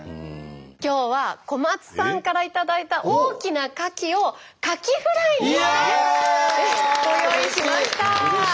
今日は小松さんから頂いた大きなかきをかきフライにしてご用意しました！